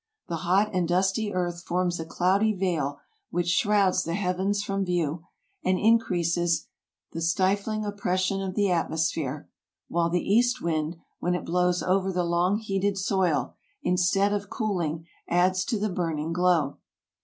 The hot and dusty earth forms a cloudy vail which shrouds the heavens from view, and increases the stifling oppression of the atmosphere, while the east wind, when it blows over the long heated soil, instead of cooling, adds to the burning glow.